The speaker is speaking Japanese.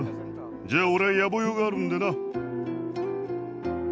じゃあ俺は野暮用があるんでな。